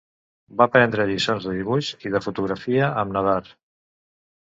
Va prendre lliçons de dibuix, i de fotografia amb Nadar.